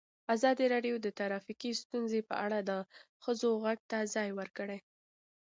ازادي راډیو د ټرافیکي ستونزې په اړه د ښځو غږ ته ځای ورکړی.